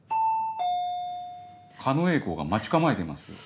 狩野英孝が待ち構えてますよ。